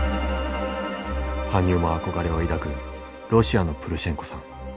羽生も憧れを抱くロシアのプルシェンコさん。